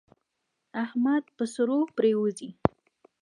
احمد پر سرو پرېوزي.